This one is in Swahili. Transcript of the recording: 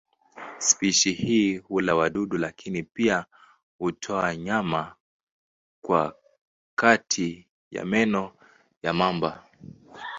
Spishi hii hula wadudu lakini pia hutoa nyama kwa kati ya meno ya mamba.